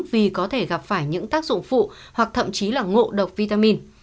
vì có thể gặp phải những tác dụng phụ hoặc thậm chí là ngộ độc vitamin